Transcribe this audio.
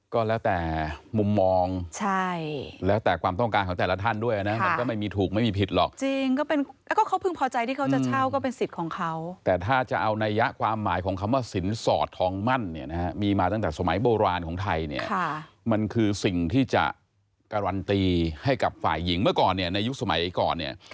ก็แล้วแต่มุมมองใช่แล้วแต่ความต้องการของแต่ละท่านด้วยนะมันก็ไม่มีถูกไม่มีผิดหรอกจริงก็เป็นก็เขาพึงพอใจที่เขาจะเช่าก็เป็นสิทธิ์ของเขาแต่ถ้าจะเอานัยยะความหมายของคำว่าสินสอดทองมั่นเนี่ยนะฮะมีมาตั้งแต่สมัยโบราณของไทยเนี่ยมันคือสิ่งที่จะการันตีให้กับฝ่ายหญิงเมื่อก่อนเนี่ยในยุคสมัยก่อนเนี่ย